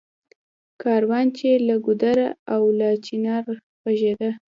کاروان چــــې له ګـــــودره او له چنار غـــږېده